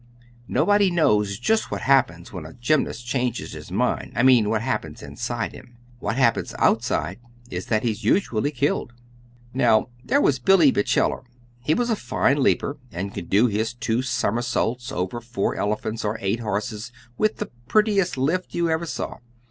Nobody knows just what happens when a gymnast changes his mind I mean what happens inside him. What happens outside is that he's usually killed. "Now there was Billy Batcheller. He was a fine leaper, and could do his two somersaults over four elephants or eight horses with the prettiest lift you ever saw.